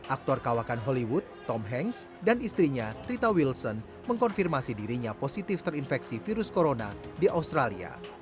aktor kawakan hollywood tom hanks dan istrinya rita wilson mengkonfirmasi dirinya positif terinfeksi virus corona di australia